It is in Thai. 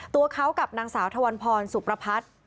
ตัวเขากับนางสาวทวันพรสุประพัฒน์